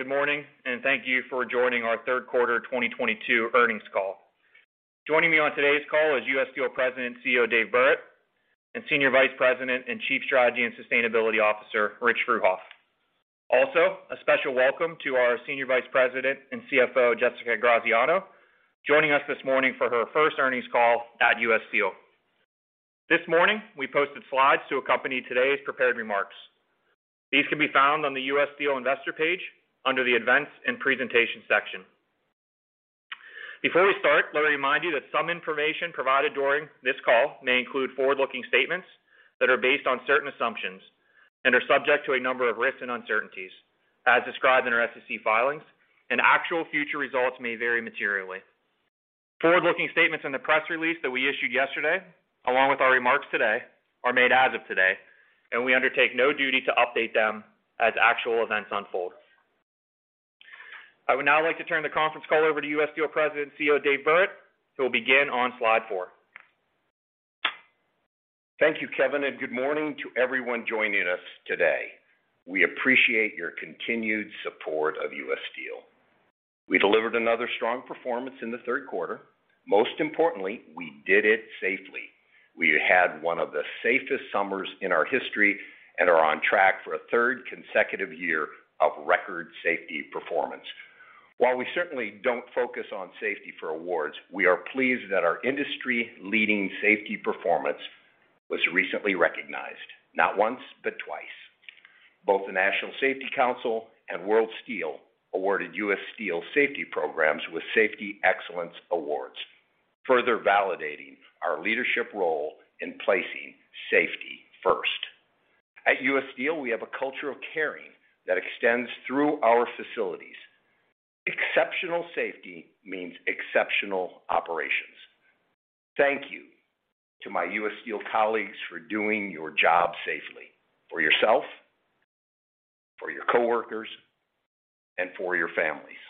Good morning, and thank you for joining our third quarter 2022 earnings call. Joining me on today's call is U. S. Steel President and CEO, Dave Burritt, and Senior Vice President and Chief Strategy and Sustainability Officer, Rich Fruehauf. Also, a special welcome to our Senior Vice President and CFO, Jessica Graziano, joining us this morning for her first earnings call at U. S. Steel. This morning, we posted slides to accompany today's prepared remarks. These can be found on the U. S. Steel investor page under the Events and Presentation section. Before we start, let me remind you that some information provided during this call may include forward-looking statements that are based on certain assumptions and are subject to a number of risks and uncertainties as described in our SEC filings, and actual future results may vary materially. Forward-looking statements in the press release that we issued yesterday, along with our remarks today, are made as of today, and we undertake no duty to update them as actual events unfold. I would now like to turn the conference call over to U. S. Steel President and CEO, Dave Burritt, who will begin on slide four. Thank you, Kevin, and good morning to everyone joining us today. We appreciate your continued support of U. S. Steel. We delivered another strong performance in the third quarter. Most importantly, we did it safely. We had one of the safest summers in our history and are on track for a third consecutive year of record safety performance. While we certainly don't focus on safety for awards, we are pleased that our industry-leading safety performance was recently recognized, not once, but twice. Both the National Safety Council and World Steel awarded U. S. Steel safety programs with Safety Excellence Awards, further validating our leadership role in placing safety first. At U. S. Steel, we have a culture of caring that extends through our facilities. Exceptional safety means exceptional operations. Thank you to my U. S. Steel colleagues for doing your job safely for yourself, for your coworkers, and for your families.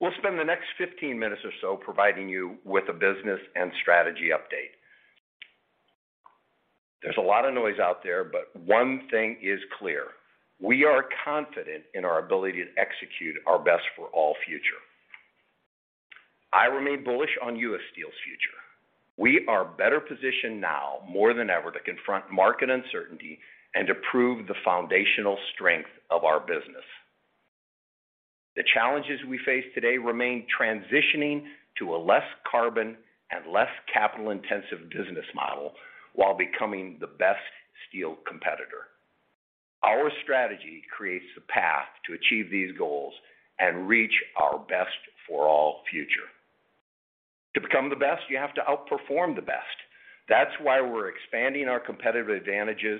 We'll spend the next 15 minutes or so providing you with a business and strategy update. There's a lot of noise out there, but one thing is clear. We are confident in our ability to execute our Best for All future. I remain bullish on U. S. Steel's future. We are better positioned now more than ever to confront market uncertainty and to prove the foundational strength of our business. The challenges we face today remain transitioning to a less carbon and less capital-intensive business model while becoming the best steel competitor. Our strategy creates a path to achieve these goals and reach our Best for All future. To become the best, you have to outperform the best. That's why we're expanding our competitive advantages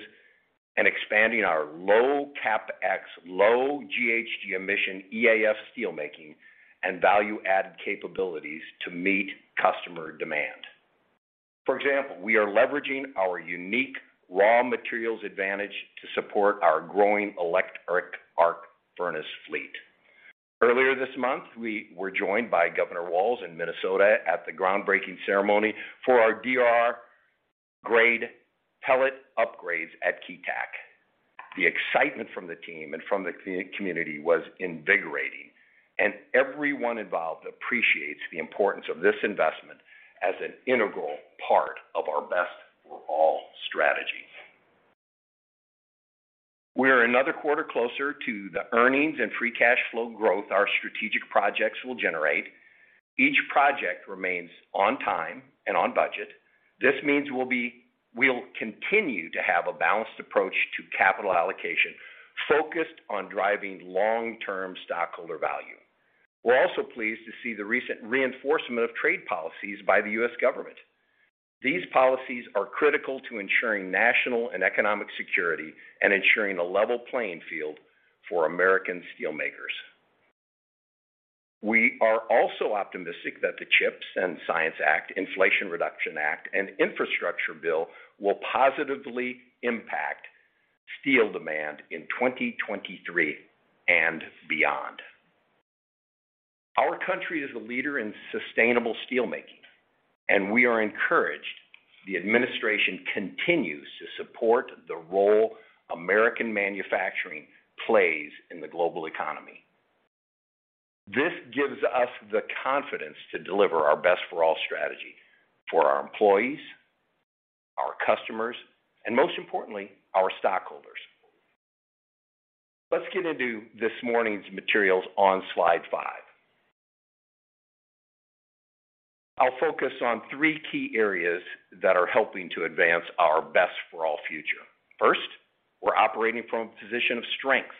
and expanding our low CapEx, low GHG emission EAF steelmaking and value-added capabilities to meet customer demand. For example, we are leveraging our unique raw materials advantage to support our growing electric arc furnace fleet. Earlier this month, we were joined by Governor Walz in Minnesota at the groundbreaking ceremony for our DR-grade pellet upgrades at Keetac. The excitement from the team and from the community was invigorating, and everyone involved appreciates the importance of this investment as an integral part of our Best for All strategy. We're another quarter closer to the earnings and free cash flow growth our strategic projects will generate. Each project remains on time and on budget. This means we'll continue to have a balanced approach to capital allocation focused on driving long-term stockholder value. We're also pleased to see the recent reinforcement of trade policies by the U.S. government. These policies are critical to ensuring national and economic security and ensuring a level playing field for American steelmakers. We are also optimistic that the CHIPS and Science Act, Inflation Reduction Act, and Infrastructure Bill will positively impact steel demand in 2023 and beyond. Our country is a leader in sustainable steelmaking, and we are encouraged the administration continues to support the role American manufacturing plays in the global economy. This gives us the confidence to deliver our Best for All strategy for our employees, our customers, and most importantly, our stockholders. Let's get into this morning's materials on slide five. I'll focus on three key areas that are helping to advance our Best for All future. First, we're operating from a position of strength.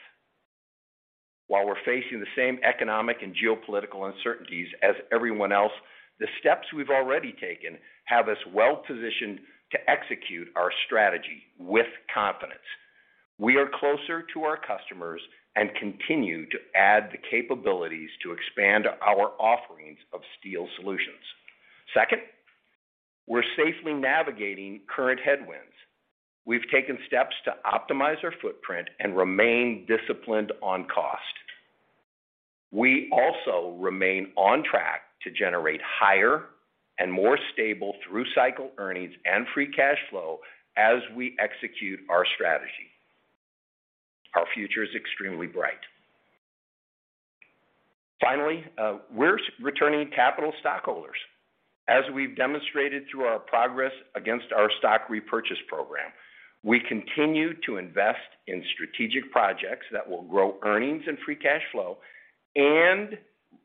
While we're facing the same economic and geopolitical uncertainties as everyone else, the steps we've already taken have us well-positioned to execute our strategy with confidence. We are closer to our customers and continue to add the capabilities to expand our offerings of steel solutions. Second, we're safely navigating current headwinds. We've taken steps to optimize our footprint and remain disciplined. We also remain on track to generate higher and more stable through cycle earnings and free cash flow as we execute our strategy. Our future is extremely bright. Finally, we're returning capital to stockholders. As we've demonstrated through our progress against our stock repurchase program, we continue to invest in strategic projects that will grow earnings and free cash flow and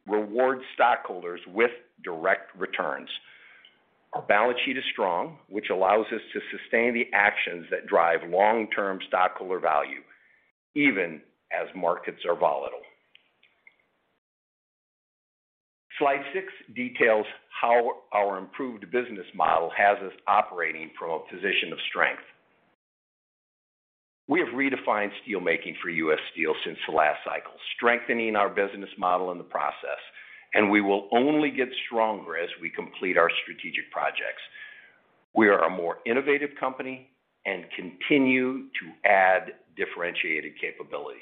reward stockholders with direct returns. Our balance sheet is strong, which allows us to sustain the actions that drive long-term stockholder value even as markets are volatile. Slide six details how our improved business model has us operating from a position of strength. We have redefined steel making for U. S. Steel since the last cycle, strengthening our business model in the process, and we will only get stronger as we complete our strategic projects. We are a more innovative company and continue to add differentiated capabilities.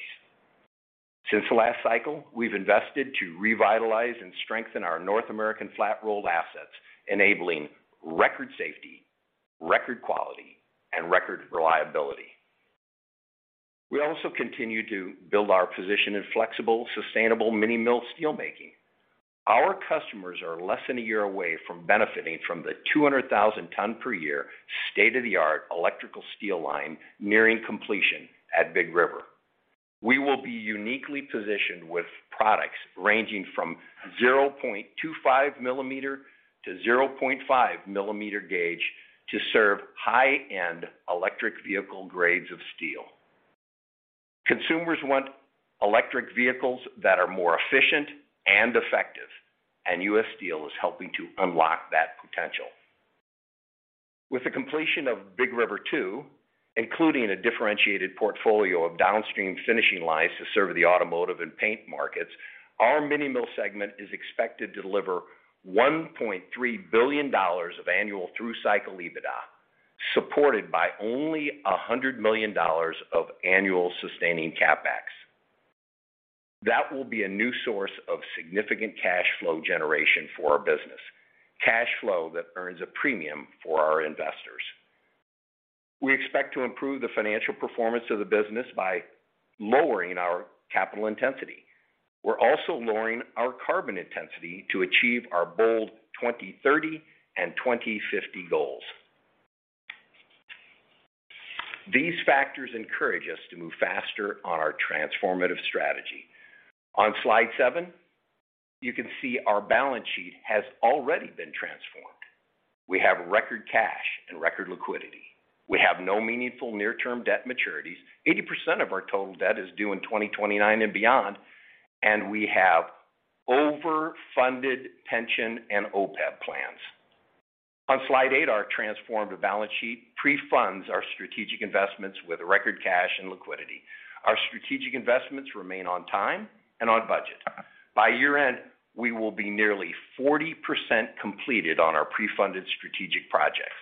Since the last cycle, we've invested to revitalize and strengthen our North American Flat-Rolled assets, enabling record safety, record quality, and record reliability. We also continue to build our position in flexible, sustainable mini mill steel making. Our customers are less than a year away from benefiting from the 200,000 ton per year state-of-the-art electrical steel line nearing completion at Big River. We will be uniquely positioned with products ranging from 0.25-0.5 mm gauge to serve high-end electric vehicle grades of steel. Consumers want electric vehicles that are more efficient and effective, and U. S. Steel is helping to unlock that potential. With the completion of Big River two, including a differentiated portfolio of downstream finishing lines to serve the automotive and paint markets, our mini mill segment is expected to deliver $1.3 billion of annual through cycle EBITDA, supported by only $100 million of annual sustaining CapEx. That will be a new source of significant cash flow generation for our business. Cash flow that earns a premium for our investors. We expect to improve the financial performance of the business by lowering our capital intensity. We're also lowering our carbon intensity to achieve our bold 2030 and 2050 goals. These factors encourage us to move faster on our transformative strategy. On slide seven, you can see our balance sheet has already been transformed. We have record cash and record liquidity. We have no meaningful near-term debt maturities. 80% of our total debt is due in 2029 and beyond. We have over-funded pension and OPEB plans. On slide eight, our transformed balance sheet pre-funds our strategic investments with record cash and liquidity. Our strategic investments remain on time and on budget. By year-end, we will be nearly 40% completed on our pre-funded strategic projects.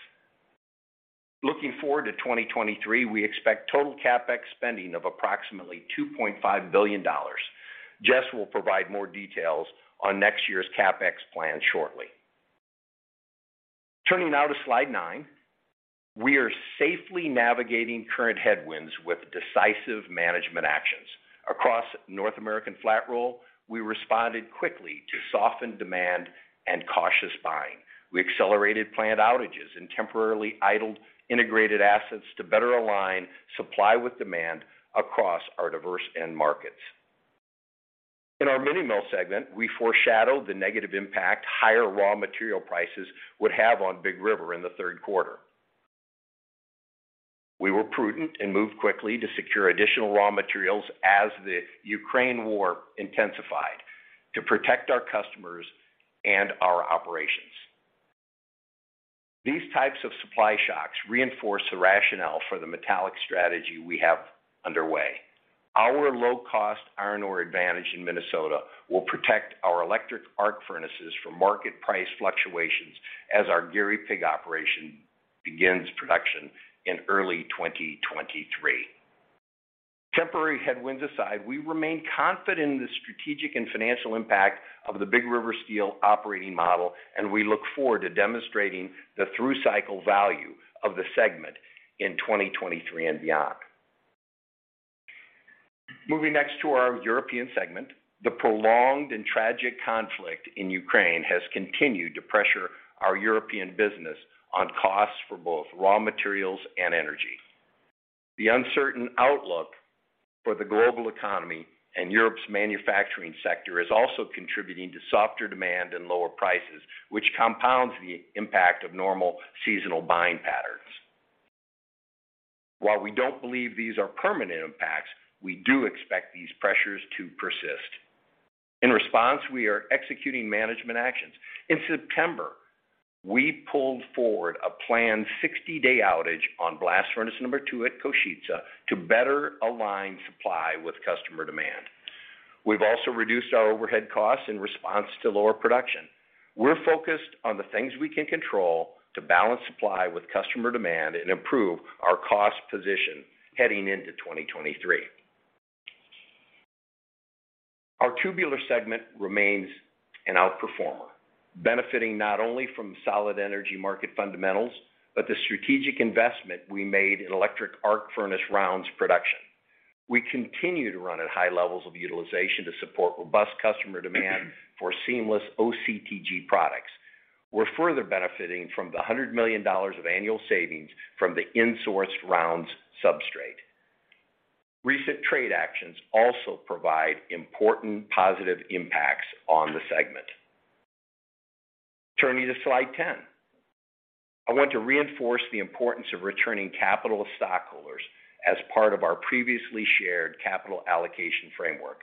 Looking forward to 2023, we expect total CapEx spending of approximately $2.5 billion. Jess will provide more details on next year's CapEx plan shortly. Turning now to slide nine. We are safely navigating current headwinds with decisive management actions. Across North American flat roll, we responded quickly to soften demand and cautious buying. We accelerated plant outages and temporarily idled integrated assets to better align supply with demand across our diverse end markets. In our mini mill segment, we foreshadowed the negative impact higher raw material prices would have on Big River in the third quarter. We were prudent and moved quickly to secure additional raw materials as the Ukraine war intensified to protect our customers and our operations. These types of supply shocks reinforce the rationale for the metallic strategy we have underway. Our low-cost iron ore advantage in Minnesota will protect our electric arc furnaces from market price fluctuations as our Gary pig operation begins production in early 2023. Temporary headwinds aside, we remain confident in the strategic and financial impact of the Big River Steel operating model, and we look forward to demonstrating the through cycle value of the segment in 2023 and beyond. Moving next to our European segment. The prolonged and tragic conflict in Ukraine has continued to pressure our European business on costs for both raw materials and energy. The uncertain outlook for the global economy and Europe's manufacturing sector is also contributing to softer demand and lower prices, which compounds the impact of normal seasonal buying patterns. While we don't believe these are permanent impacts, we do expect these pressures to persist. In response, we are executing management actions. In September, we pulled forward a planned 60-day outage on blast furnace number two at Košice to better align supply with customer demand. We've also reduced our overhead costs in response to lower production. We're focused on the things we can control to balance supply with customer demand and improve our cost position heading into 2023. Our Tubular segment remains an outperformer, benefiting not only from solid energy market fundamentals, but the strategic investment we made in electric arc furnace rounds production. We continue to run at high levels of utilization to support robust customer demand for seamless OCTG products. We're further benefiting from the $100 million of annual savings from the in-sourced rounds substrate. Recent trade actions also provide important positive impacts on the segment. Turning to Slide 10. I want to reinforce the importance of returning capital to stockholders as part of our previously shared capital allocation framework.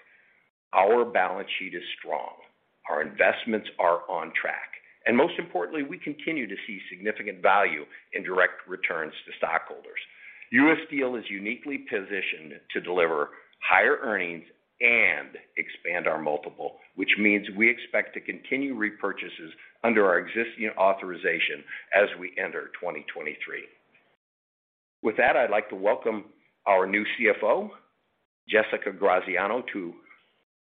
Our balance sheet is strong, our investments are on track, and most importantly, we continue to see significant value in direct returns to stockholders. U. S. Steel is uniquely positioned to deliver higher earnings and expand our multiple, which means we expect to continue repurchases under our existing authorization as we enter 2023. With that, I'd like to welcome our new CFO, Jessica Graziano, to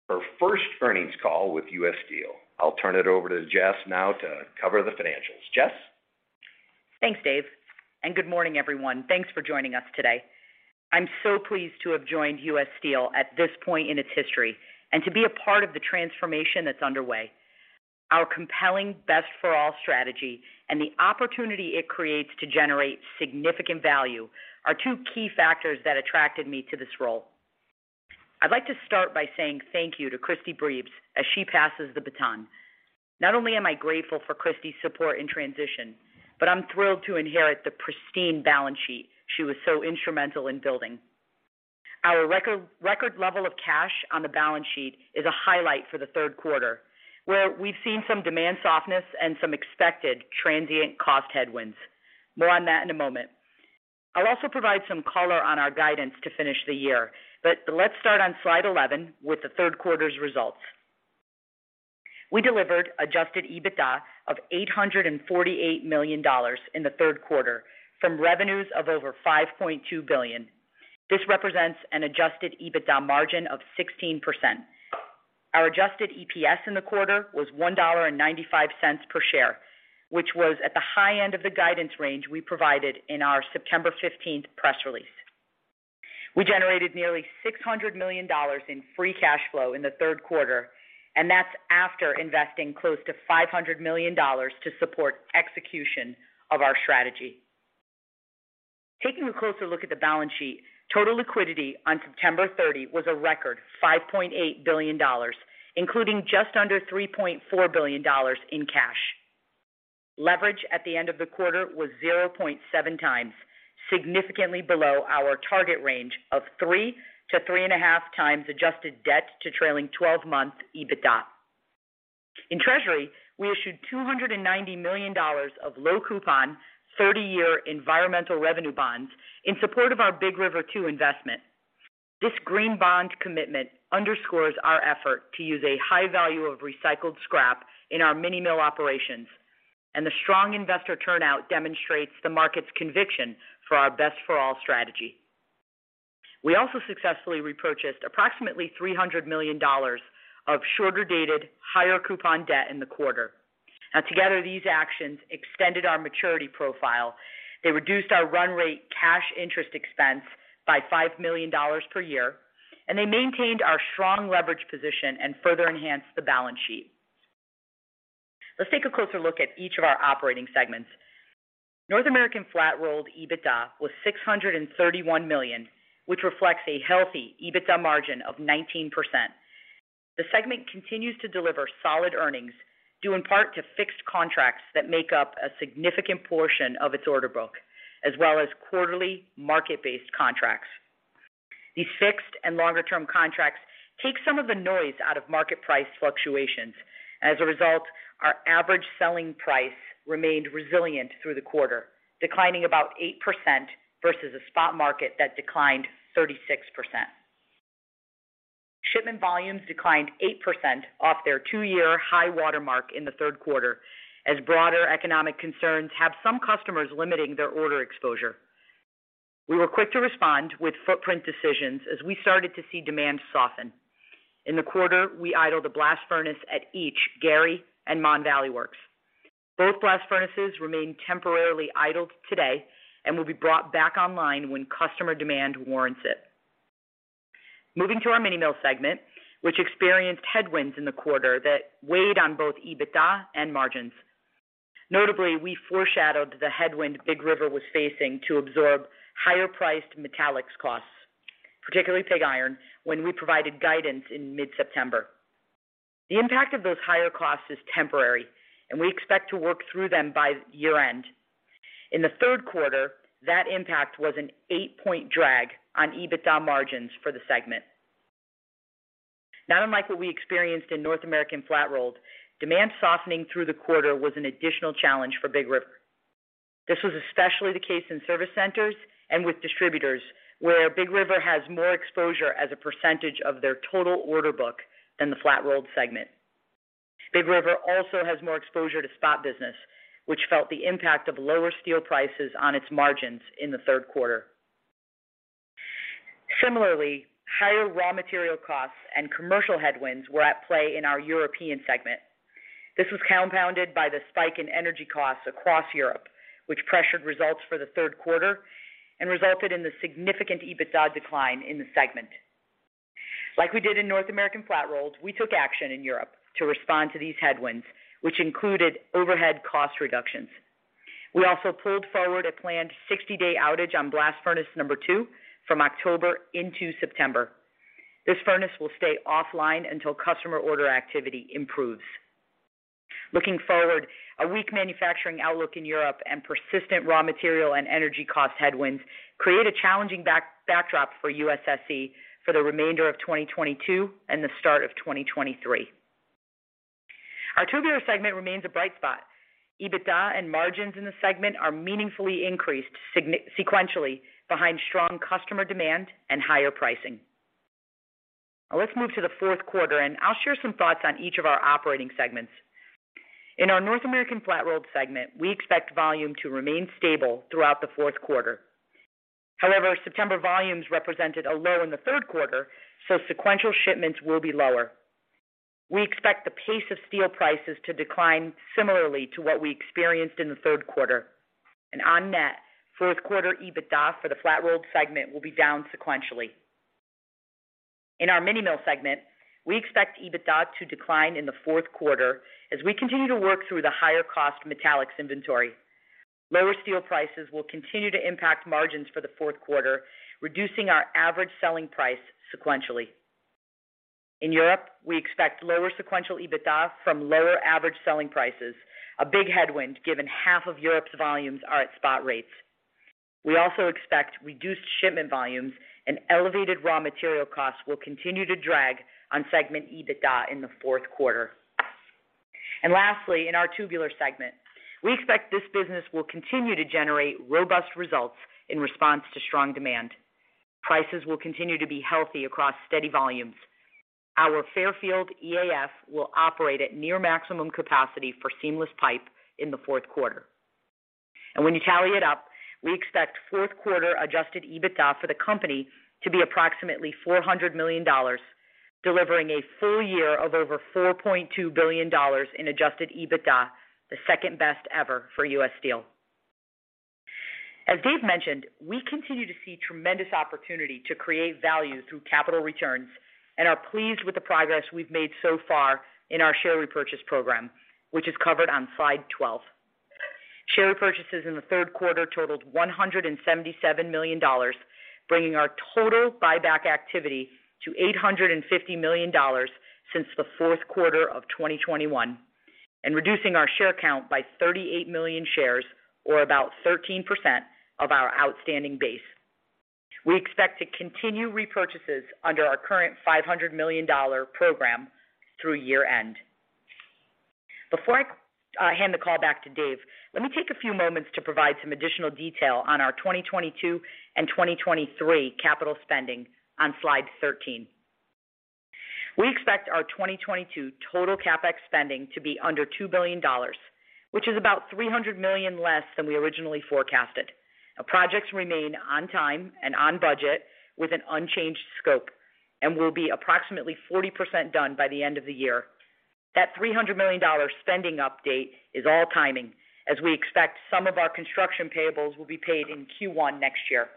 her first earnings call with U.S. Steel. I'll turn it over to Jess now to cover the financials. Jess? Thanks, Dave, and good morning, everyone. Thanks for joining us today. I'm so pleased to have joined U.S. Steel at this point in its history and to be a part of the transformation that's underway. Our compelling Best for All® strategy and the opportunity it creates to generate significant value are two key factors that attracted me to this role. I'd like to start by saying thank you to Christy Breves as she passes the baton. Not only am I grateful for Christy's support in transition, but I'm thrilled to inherit the pristine balance sheet she was so instrumental in building. Our record level of cash on the balance sheet is a highlight for the third quarter, where we've seen some demand softness and some expected transient cost headwinds. More on that in a moment. I'll also provide some color on our guidance to finish the year, but let's start on Slide 11 with the third quarter's results. We delivered adjusted EBITDA of $848 million in the third quarter from revenues of over $5.2 billion. This represents an adjusted EBITDA margin of 16%. Our adjusted EPS in the quarter was $1.95 per share, which was at the high end of the guidance range we provided in our September 15 press release. We generated nearly $600 million in free cash flow in the third quarter, and that's after investing close to $500 million to support execution of our strategy. Taking a closer look at the balance sheet, total liquidity on September 30 was a record $5.8 billion, including just under $3.4 billion in cash. Leverage at the end of the quarter was 0.7 times, significantly below our target range of 3-3.5 times adjusted debt to trailing twelve-month EBITDA. In Treasury, we issued $290 million of low coupon, 30-year environmental revenue bonds in support of our Big River 2 investment. This green bond commitment underscores our effort to use a high value of recycled scrap in our mini mill operations, and the strong investor turnout demonstrates the market's conviction for our Best for All® strategy. We also successfully repurchased approximately $300 million of shorter-dated, higher-coupon debt in the quarter. Now, together, these actions extended our maturity profile. They reduced our run rate cash interest expense by $5 million per year, and they maintained our strong leverage position and further enhanced the balance sheet. Let's take a closer look at each of our operating segments. North American Flat-Rolled EBITDA was $631 million, which reflects a healthy EBITDA margin of 19%. The segment continues to deliver solid earnings, due in part to fixed contracts that make up a significant portion of its order book, as well as quarterly market-based contracts. These fixed and longer-term contracts take some of the noise out of market price fluctuations. As a result, our average selling price remained resilient through the quarter, declining about 8% versus a spot market that declined 36%. Shipment volumes declined 8% off their two-year high-water mark in the third quarter as broader economic concerns have some customers limiting their order exposure. We were quick to respond with footprint decisions as we started to see demand soften. In the quarter, we idled a blast furnace at each Gary and Mon Valley works. Both blast furnaces remain temporarily idled today and will be brought back online when customer demand warrants it. Moving to our Mini Mill segment, which experienced headwinds in the quarter that weighed on both EBITDA and margins. Notably, we foreshadowed the headwind Big River was facing to absorb higher-priced metallics costs, particularly pig iron, when we provided guidance in mid-September. The impact of those higher costs is temporary, and we expect to work through them by year-end. In the third quarter, that impact was an 8-point drag on EBITDA margins for the segment. Not unlike what we experienced in North American Flat-Rolled, demand softening through the quarter was an additional challenge for Big River. This was especially the case in service centers and with distributors, where Big River has more exposure as a percentage of their total order book than the flat-rolled segment. Big River also has more exposure to spot business, which felt the impact of lower steel prices on its margins in the third quarter. Similarly, higher raw material costs and commercial headwinds were at play in our European segment. This was compounded by the spike in energy costs across Europe, which pressured results for the third quarter and resulted in the significant EBITDA decline in the segment. Like we did in North American Flat Rolls, we took action in Europe to respond to these headwinds, which included overhead cost reductions. We also pulled forward a planned 60-day outage on blast furnace number two from October into September. This furnace will stay offline until customer order activity improves. Looking forward, a weak manufacturing outlook in Europe and persistent raw material and energy cost headwinds create a challenging backdrop for USSE for the remainder of 2022 and the start of 2023. Our Tubular segment remains a bright spot. EBITDA and margins in the segment are meaningfully increased sequentially behind strong customer demand and higher pricing. Now let's move to the fourth quarter, and I'll share some thoughts on each of our operating segments. In our North American Flat-Rolled segment, we expect volume to remain stable throughout the fourth quarter. However, September volumes represented a low in the third quarter, so sequential shipments will be lower. We expect the pace of steel prices to decline similarly to what we experienced in the third quarter. On net, fourth quarter EBITDA for the Flat Roll segment will be down sequentially. In our Mini Mill segment, we expect EBITDA to decline in the fourth quarter as we continue to work through the higher-cost metallics inventory. Lower steel prices will continue to impact margins for the fourth quarter, reducing our average selling price sequentially. In Europe, we expect lower sequential EBITDA from lower average selling prices, a big headwind given half of Europe's volumes are at spot rates. We also expect reduced shipment volumes and elevated raw material costs will continue to drag on segment EBITDA in the fourth quarter. Lastly, in our Tubular segment, we expect this business will continue to generate robust results in response to strong demand. Prices will continue to be healthy across steady volumes. Our Fairfield EAF will operate at near maximum capacity for seamless pipe in the fourth quarter. When you tally it up, we expect fourth quarter adjusted EBITDA for the company to be approximately $400 million, delivering a full year of over $4.2 billion in adjusted EBITDA, the second-best ever for U. S. Steel. As Dave mentioned, we continue to see tremendous opportunity to create value through capital returns and are pleased with the progress we've made so far in our share repurchase program, which is covered on slide 12. Share repurchases in the third quarter totaled $177 million, bringing our total buyback activity to $850 million since the fourth quarter of 2021, and reducing our share count by 38 million shares or about 13% of our outstanding base. We expect to continue repurchases under our current $500 million program through year-end. Before I hand the call back to Dave, let me take a few moments to provide some additional detail on our 2022 and 2023 capital spending on slide 13. We expect our 2022 total CapEx spending to be under $2 billion, which is about $300 million less than we originally forecasted. Our projects remain on time and on budget with an unchanged scope and will be approximately 40% done by the end of the year. That $300 million spending update is all timing, as we expect some of our construction payables will be paid in Q1 next year.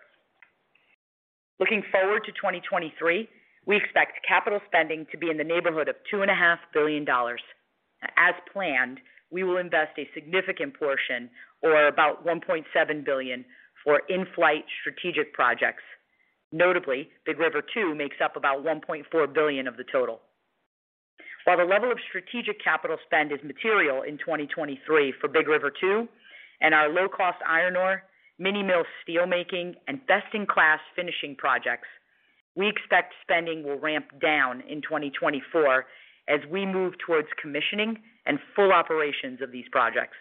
Looking forward to 2023, we expect capital spending to be in the neighborhood of $2.5 billion. As planned, we will invest a significant portion or about $1.7 billion for in-flight strategic projects. Notably, Big River two makes up about $1.4 billion of the total. While the level of strategic capital spend is material in 2023 for Big River two and our low-cost iron ore, mini mill steel making, and best-in-class finishing projects, we expect spending will ramp down in 2024 as we move towards commissioning and full operations of these projects.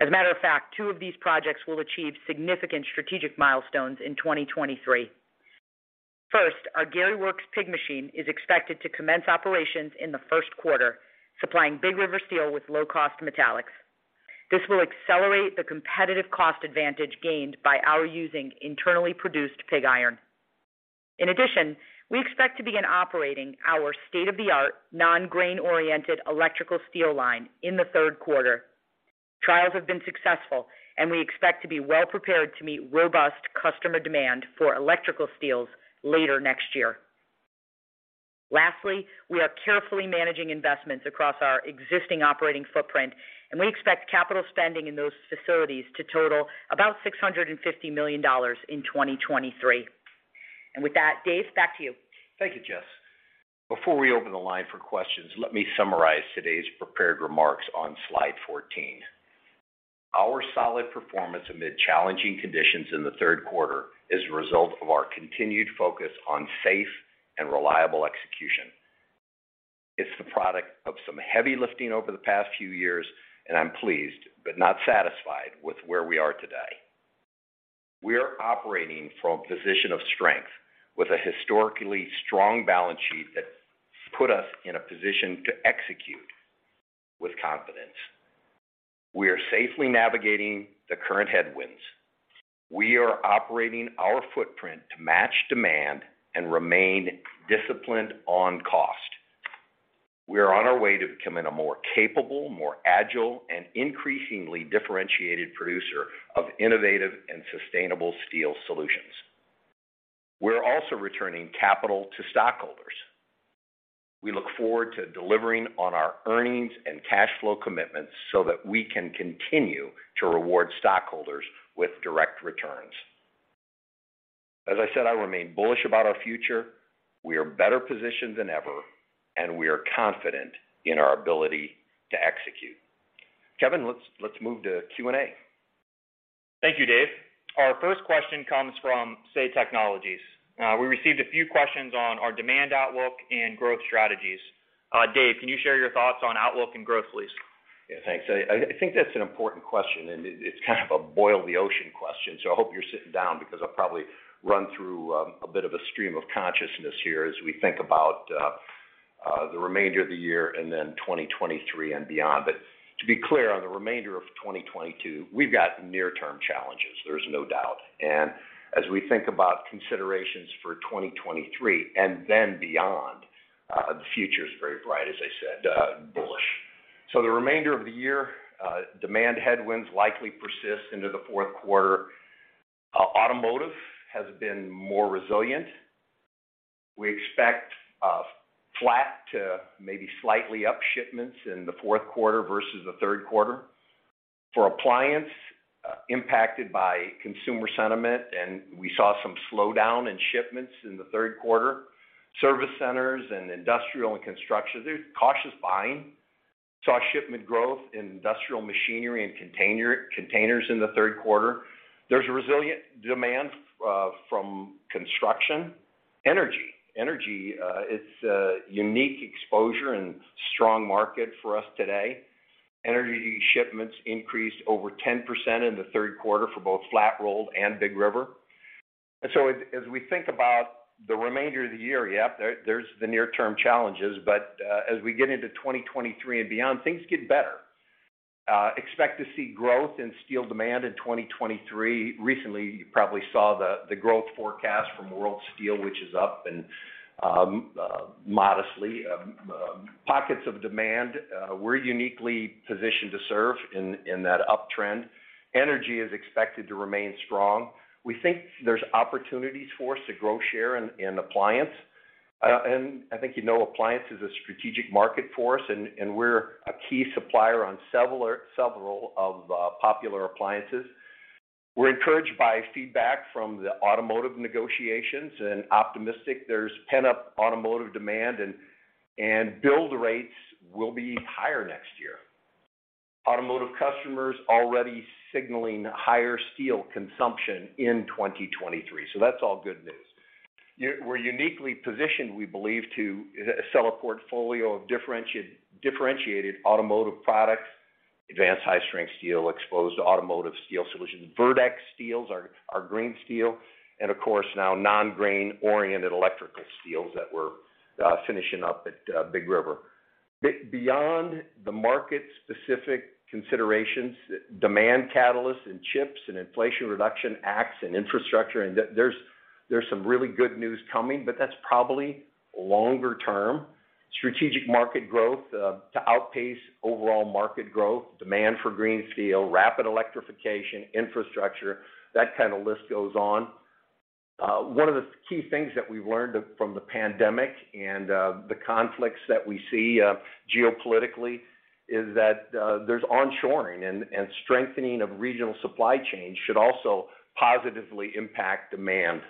As a matter of fact, two of these projects will achieve significant strategic milestones in 2023. First, our Gary Works pig machine is expected to commence operations in the first quarter, supplying Big River Steel with low-cost metallics. This will accelerate the competitive cost advantage gained by our using internally produced pig iron. In addition, we expect to begin operating our state-of-the-art, non-grain-oriented electrical steel line in the third quarter. Trials have been successful, and we expect to be well prepared to meet robust customer demand for electrical steels later next year. Lastly, we are carefully managing investments across our existing operating footprint, and we expect capital spending in those facilities to total about $650 million in 2023. With that, Dave, back to you. Thank you, Jess. Before we open the line for questions, let me summarize today's prepared remarks on slide 14. Our solid performance amid challenging conditions in the third quarter is a result of our continued focus on safe and reliable execution. It's the product of some heavy lifting over the past few years, and I'm pleased, but not satisfied with where we are today. We are operating from a position of strength with a historically strong balance sheet that's put us in a position to execute with confidence. We are safely navigating the current headwinds. We are operating our footprint to match demand and remain disciplined on cost. We are on our way to becoming a more capable, more agile, and increasingly differentiated producer of innovative and sustainable steel solutions. We're also returning capital to stockholders. We look forward to delivering on our earnings and cash flow commitments so that we can continue to reward stockholders with direct returns. As I said, I remain bullish about our future. We are better positioned than ever, and we are confident in our ability to execute. Kevin, let's move to Q&A. Thank you, Dave. Our first question comes from Say Technologies. We received a few questions on our demand outlook and growth strategies. Dave, can you share your thoughts on outlook and growth, please? Yeah, thanks. I think that's an important question and it's kind of a boil the ocean question, so I hope you're sitting down because I'll probably run through a bit of a stream of consciousness here as we think about the remainder of the year and then 2023 and beyond. To be clear, on the remainder of 2022, we've got near-term challenges, there's no doubt. As we think about considerations for 2023 and then beyond, the future is very bright, as I said, bullish. The remainder of the year, demand headwinds likely persist into the fourth quarter. Automotive has been more resilient. We expect flat to maybe slightly up shipments in the fourth quarter versus the third quarter. For appliance impacted by consumer sentiment, and we saw some slowdown in shipments in the third quarter. Service centers and industrial and construction, there's cautious buying. Saw shipment growth in industrial machinery and containers in the third quarter. There's resilient demand from construction. Energy, it's a unique exposure and strong market for us today. Energy shipments increased over 10% in the third quarter for both Flat Rolled and Big River. As we think about the remainder of the year, yeah, there's the near-term challenges, but as we get into 2023 and beyond, things get better. Expect to see growth in steel demand in 2023. Recently, you probably saw the growth forecast from World Steel, which is up and modestly. Pockets of demand we're uniquely positioned to serve in that uptrend. Energy is expected to remain strong. We think there's opportunities for us to grow share in appliance. I think you know appliance is a strategic market for us and we're a key supplier on several of popular appliances. We're encouraged by feedback from the automotive negotiations and optimistic there's pent-up automotive demand and build rates will be higher next year. Automotive customers already signaling higher steel consumption in 2023. That's all good news. We're uniquely positioned, we believe, to sell a portfolio of differentiated automotive products, advanced high-strength steel exposed to automotive steel solutions. verdeX steels, our green steel, and of course now non-grain-oriented electrical steels that we're finishing up at Big River. Beyond the market-specific considerations, demand catalysts and CHIPS and Inflation Reduction Acts and infrastructure, and there's some really good news coming, but that's probably longer term. Strategic market growth to outpace overall market growth, demand for green steel, rapid electrification, infrastructure, that kind of list goes on. One of the key things that we've learned from the pandemic and the conflicts that we see geopolitically is that there's on-shoring and strengthening of regional supply chains should also positively impact demand.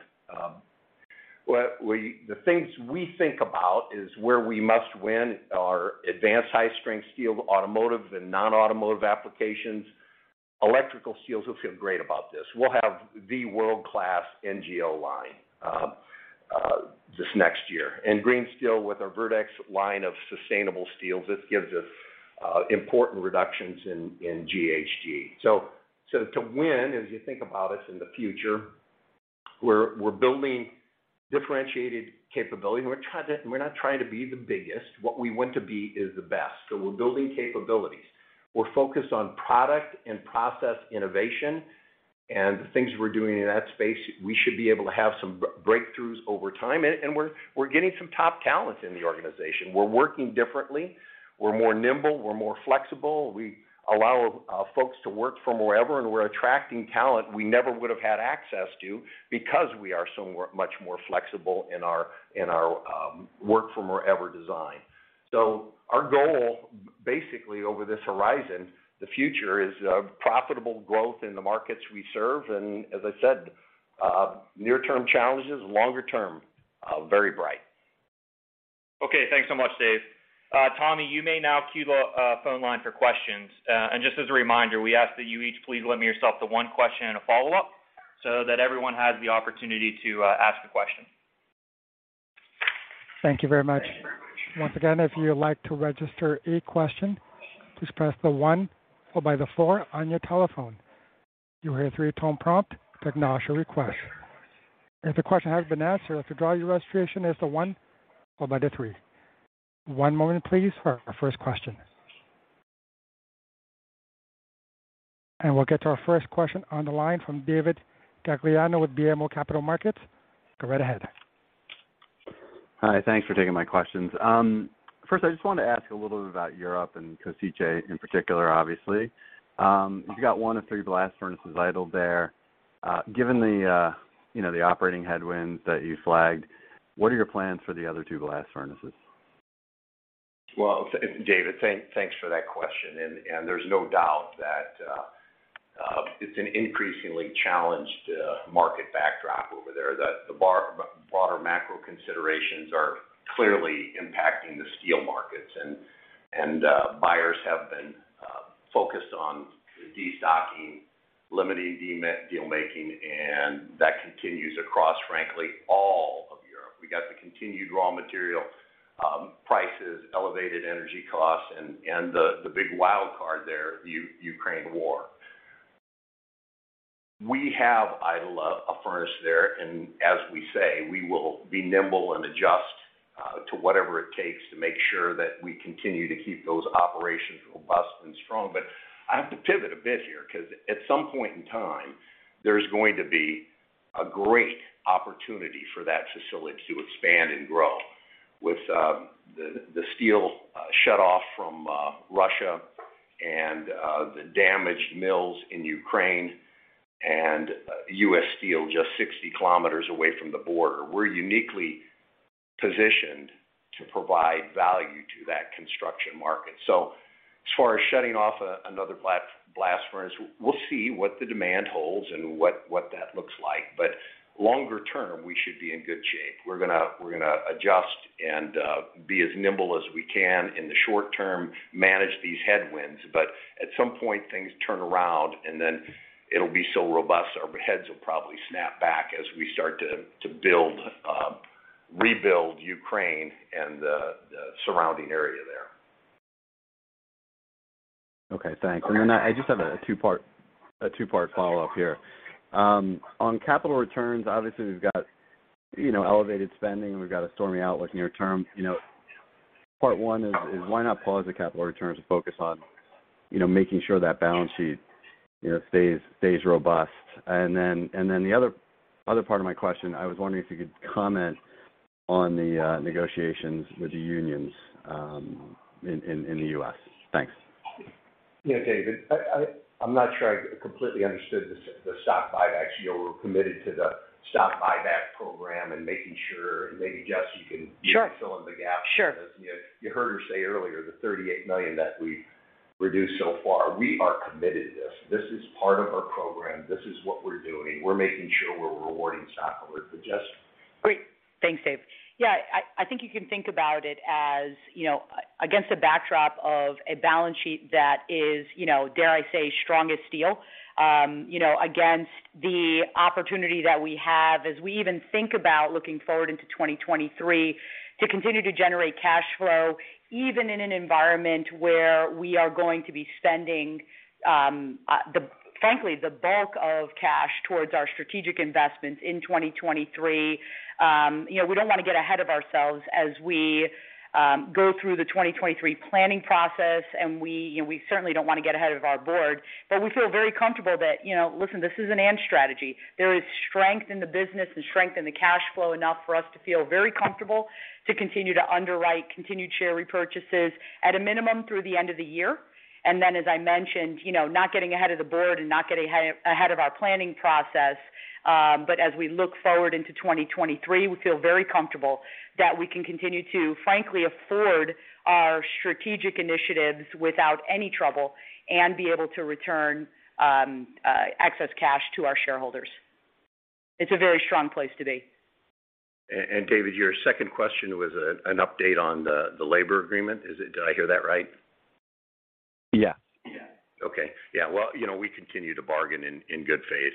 The things we think about is where we must win our advanced high-strength steel automotive and non-automotive applications. Electrical steels, we feel great about this. We'll have the world-class NGO line this next year. Green steel with our verdeX line of sustainable steels, this gives us important reductions in GHG. To win, as you think about us in the future, we're building differentiated capability. We're not trying to be the biggest. What we want to be is the best. We're building capabilities. We're focused on product and process innovation and the things we're doing in that space, we should be able to have some breakthroughs over time. We're getting some top talent in the organization. We're working differently. We're more nimble, we're more flexible. We allow folks to work from wherever, and we're attracting talent we never would have had access to because we are so much more flexible in our work from wherever design. Our goal, basically over this horizon, the future, is profitable growth in the markets we serve. As I said, near-term challenges, longer term, very bright. Okay, thanks so much, Dave. Tommy, you may now queue the phone line for questions. Just as a reminder, we ask that you each please limit yourself to one question and a follow-up. That everyone has the opportunity to ask a question. Thank you very much. Once again, if you would like to register a question, please press the one followed by the four on your telephone. You'll hear a three-tone prompt to acknowledge your request. If the question has been answered, or to withdraw your registration, press the one followed by the three. One moment please for our first question. We'll get to our first question on the line from David Gagliano with BMO Capital Markets. Go right ahead. Hi. Thanks for taking my questions. First I just wanted to ask a little bit about Europe and Košice in particular, obviously. You got one of three blast furnaces idled there. Given the, you know, the operating headwinds that you flagged, what are your plans for the other two blast furnaces? Well, David, thanks for that question. There's no doubt that it's an increasingly challenged market backdrop over there, that the broader macro considerations are clearly impacting the steel markets. Buyers have been focused on destocking, limiting deal making, and that continues across, frankly, all of Europe. We got the continued raw material prices, elevated energy costs and the big wild card there, the Ukraine war. We have idled a furnace there. As we say, we will be nimble and adjust to whatever it takes to make sure that we continue to keep those operations robust and strong. I have to pivot a bit here because at some point in time, there's going to be a great opportunity for that facility to expand and grow. With the steel shut off from Russia and the damaged mills in Ukraine and U.S. Steel just 60 km away from the border, we're uniquely positioned to provide value to that construction market. As far as shutting off another blast furnace, we'll see what the demand holds and what that looks like. Longer term, we should be in good shape. We're gonna adjust and be as nimble as we can in the short term, manage these headwinds. At some point, things turn around and then it'll be so robust our heads will probably snap back as we start to rebuild Ukraine and the surrounding area there. Okay, thanks. I just have a two-part follow-up here. On capital returns, obviously we've got, you know, elevated spending, and we've got a stormy outlook near term. You know, part one is why not pause the capital returns and focus on, you know, making sure that balance sheet, you know, stays robust. The other part of my question, I was wondering if you could comment on the negotiations with the unions in the U.S. Thanks. Yeah, David, I’m not sure I completely understood the stock buybacks. You know, we’re committed to the stock buyback program and making sure, and maybe Jess you can- Sure. Fill in the gaps. Sure. You heard her say earlier, the $38 million that we've reduced so far, we are committed to this. This is part of our program. This is what we're doing. We're making sure we're rewarding stockholders. Jess. Great. Thanks, Dave. Yeah, I think you can think about it as, you know, against the backdrop of a balance sheet that is, you know, dare I say, strong as steel, you know, against the opportunity that we have as we even think about looking forward into 2023 to continue to generate cash flow, even in an environment where we are going to be spending, frankly, the bulk of cash towards our strategic investments in 2023. You know, we don't want to get ahead of ourselves as we go through the 2023 planning process, and we, you know, we certainly don't want to get ahead of our board. We feel very comfortable that, you know, listen, this is an and strategy. There is strength in the business and strength in the cash flow enough for us to feel very comfortable to continue to underwrite continued share repurchases at a minimum through the end of the year. As I mentioned, you know, not getting ahead of the board and not getting ahead of our planning process. As we look forward into 2023, we feel very comfortable that we can continue to frankly afford our strategic initiatives without any trouble and be able to return excess cash to our shareholders. It's a very strong place to be. David, your second question was an update on the labor agreement. Is it? Did I hear that right? Yeah. Yeah. Okay. Yeah. Well, you know, we continue to bargain in good faith.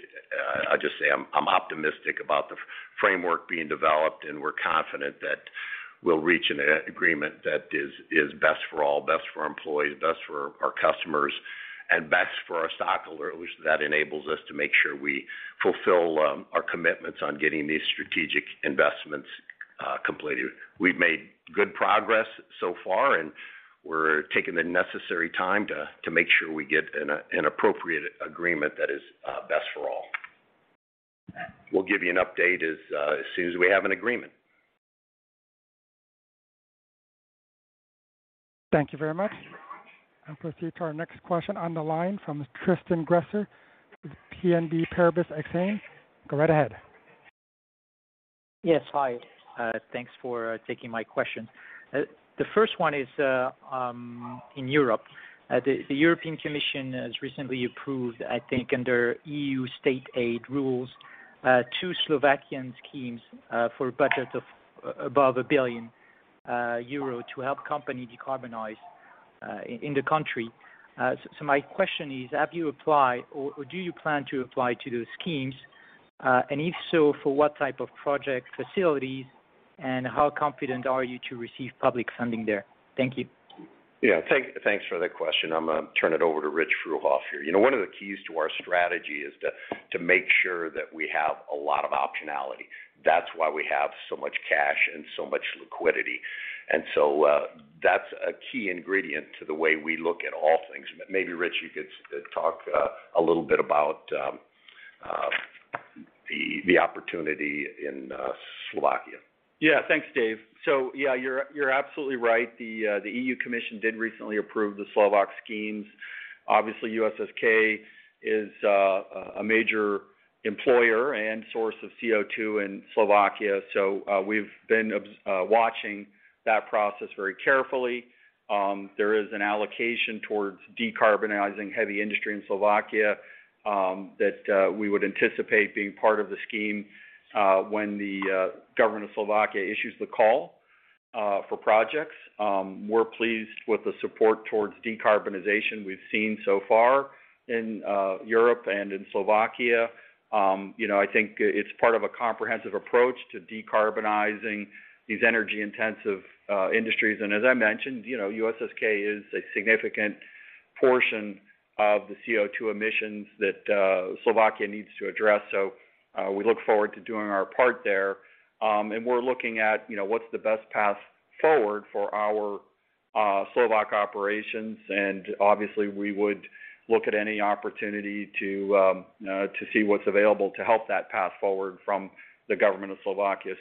I'll just say I'm optimistic about the framework being developed, and we're confident that we'll reach an agreement that is best for all, best for our employees, best for our customers, and best for our stockholders. That enables us to make sure we fulfill our commitments on getting these strategic investments completed. We've made good progress so far, and we're taking the necessary time to make sure we get an appropriate agreement that is best for all. We'll give you an update as soon as we have an agreement. Thank you very much. Proceed to our next question on the line from Tristan Gresser with BNP Paribas Exane. Go right ahead. Yes. Hi. Thanks for taking my question. The first one is in Europe. The European Commission has recently approved, I think under EU state aid rules, two Slovakian schemes for a budget of above 1 billion euro to help company decarbonize in the country. My question is, have you applied or do you plan to apply to those schemes? And if so, for what type of project facilities, and how confident are you to receive public funding there? Thank you. Yeah. Thanks for the question. I'm gonna turn it over to Rich Fruehauf here. You know, one of the keys to our strategy is to make sure that we have a lot of optionality. That's why we have so much cash and so much liquidity. That's a key ingredient to the way we look at all things. Maybe Rich, you could talk a little bit about the opportunity in Slovakia. Yeah. Thanks, Dave. Yeah, you're absolutely right. The European Commission did recently approve the Slovak schemes. Obviously, USSK is a major employer and source of CO2 in Slovakia. We've been watching that process very carefully. There is an allocation towards decarbonizing heavy industry in Slovakia that we would anticipate being part of the scheme when the government of Slovakia issues the call for projects. We're pleased with the support towards decarbonization we've seen so far in Europe and in Slovakia. You know, I think it's part of a comprehensive approach to decarbonizing these energy-intensive industries. As I mentioned, you know, USSK is a significant portion of the CO2 emissions that Slovakia needs to address. We look forward to doing our part there. We're looking at, you know, what's the best path forward for our Slovak operations. Obviously, we would look at any opportunity to see what's available to help that path forward from the government of Slovakia.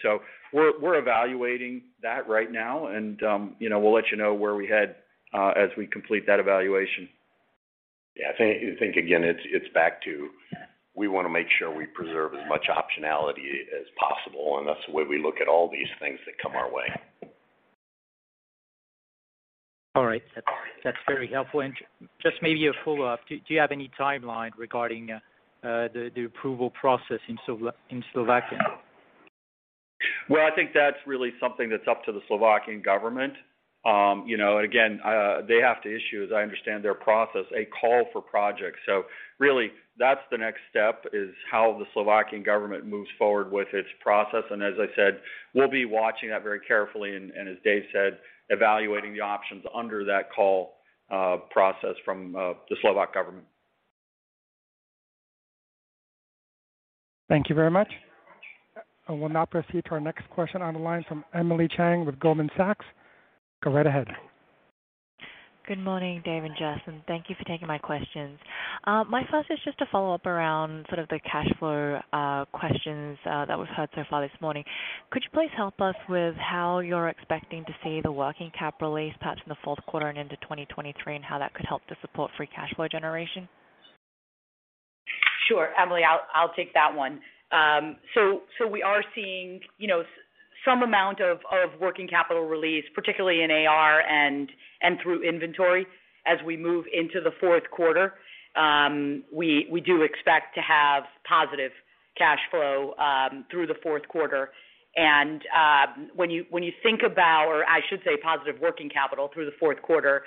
We're evaluating that right now and, you know, we'll let you know where we head as we complete that evaluation. Yeah. I think again, it's back to we wanna make sure we preserve as much optionality as possible, and that's the way we look at all these things that come our way. All right. That's very helpful. Just maybe a follow-up. Do you have any timeline regarding the approval process in Slovakia? I think that's really something that's up to the Slovak government. You know, and again, they have to issue, as I understand their process, a call for projects. Really, that's the next step is how the Slovak government moves forward with its process. As I said, we'll be watching that very carefully. And as Dave said, evaluating the options under that call, process from the Slovak government. Thank you very much. I will now proceed to our next question on the line from Emily Chieng with Goldman Sachs. Go right ahead. Good morning, Dave and Jess, and thank you for taking my questions. My first is just to follow up around sort of the cash flow questions that we've heard so far this morning. Could you please help us with how you're expecting to see the working capital release, perhaps in the fourth quarter and into 2023, and how that could help to support free cash flow generation? Sure. Emily, I'll take that one. So we are seeing, you know, some amount of working capital release, particularly in AR and through inventory as we move into the fourth quarter. We do expect to have positive cash flow through the fourth quarter. When you think about, or I should say, positive working capital through the fourth quarter.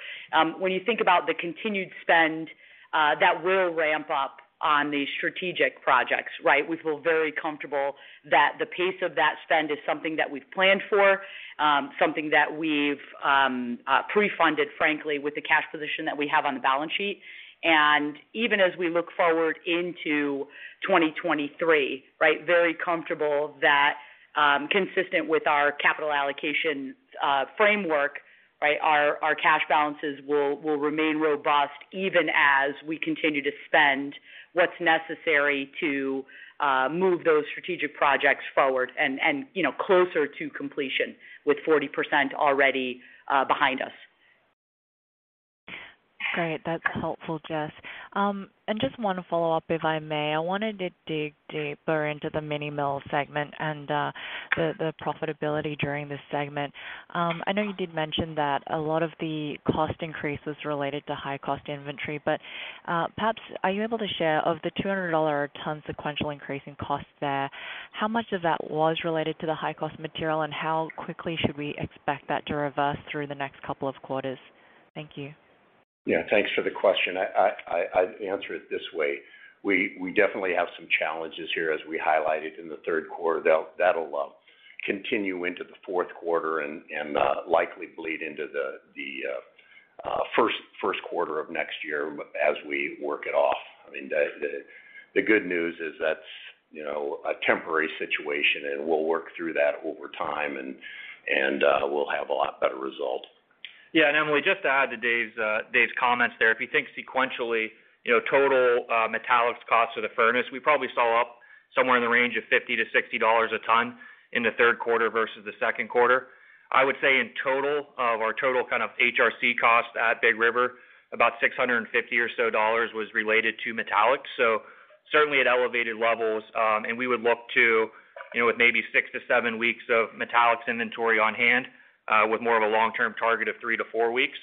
When you think about the continued spend that will ramp up on the strategic projects, right? We feel very comfortable that the pace of that spend is something that we've planned for, something that we've pre-funded, frankly, with the cash position that we have on the balance sheet. Even as we look forward into 2023, right? Very comfortable that, consistent with our capital allocation framework, right? Our cash balances will remain robust even as we continue to spend what's necessary to move those strategic projects forward and you know closer to completion with 40% already behind us. Great. That's helpful, Jess. Just one follow-up, if I may. I wanted to dig deeper into the mini mill segment and the profitability during this segment. I know you did mention that a lot of the cost increase was related to high cost inventory, but perhaps are you able to share of the $200/ton sequential increase in cost there, how much of that was related to the high cost material, and how quickly should we expect that to reverse through the next couple of quarters? Thank you. Yeah. Thanks for the question. I'd answer it this way. We definitely have some challenges here as we highlighted in the third quarter. That'll continue into the fourth quarter and likely bleed into the first quarter of next year as we work it off. I mean, the good news is that's you know, a temporary situation, and we'll work through that over time and we'll have a lot better result. Yeah. Emily, just to add to Dave's comments there. If you think sequentially, you know, total metallics cost of the furnace, we probably saw up somewhere in the range of $50-$60 a ton in the third quarter versus the second quarter. I would say in total, of our total kind of HRC cost at Big River, about $650 or so dollars was related to metallics. Certainly at elevated levels, and we would look to, you know, with maybe six-seven weeks of metallics inventory on hand, with more of a long-term target of three- four weeks,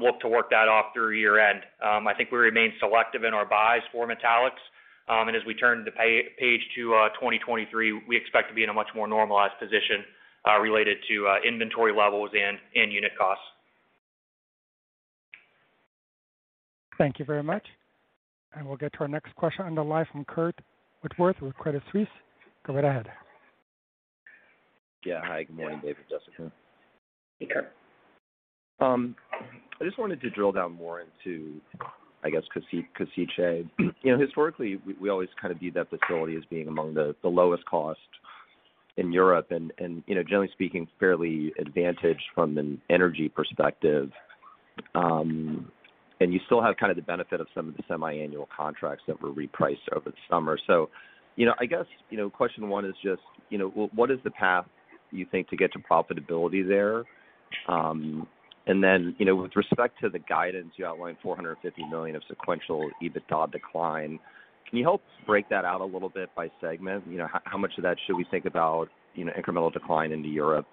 look to work that off through year-end. I think we remain selective in our buys for metallics. As we turn the page to 2023, we expect to be in a much more normalized position related to inventory levels and unit costs. Thank you very much. We'll get to our next question on the line from Curt Woodworth with Credit Suisse. Go right ahead. Yeah. Hi, good morning, Dave and Jessica. Hey, Curt. I just wanted to drill down more into, I guess, Košice. You know, historically, we always kind of viewed that facility as being among the lowest cost in Europe and, you know, generally speaking, fairly advantaged from an energy perspective. You still have kind of the benefit of some of the semi-annual contracts that were repriced over the summer. You know, I guess, you know, question one is just, you know, what is the path you think to get to profitability there? You know, with respect to the guidance, you outlined $450 million of sequential EBITDA decline. Can you help break that out a little bit by segment? You know, how much of that should we think about, you know, incremental decline into Europe